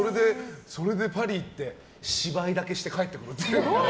それでパリ行って芝居だけして帰ってくるっていう。